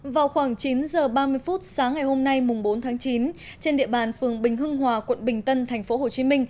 vào khoảng chín h ba mươi phút sáng ngày hôm nay bốn tháng chín trên địa bàn phường bình hưng hòa quận bình tân tp hcm